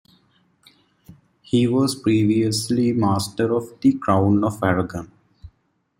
He was previously Master of the Crown of Aragon.